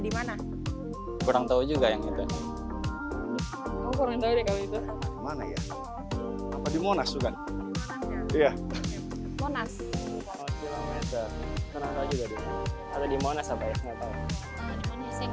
di mana kurang tahu juga yang itu kurang tahu ya kemana ya apa di monas bukan iya monas